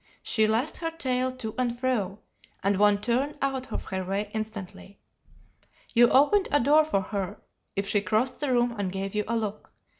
She lashed her tail to and fro, and one turned out of her way instantly. You opened a door for her if she crossed the room and gave you a look.